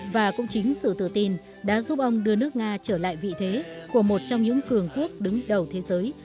và cũng chính sự tự tin đã giúp ông đưa nước nga trở lại vị thế của một trong những cường quốc đứng đầu thế giới